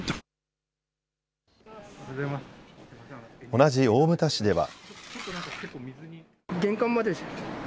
同じ大牟田市では。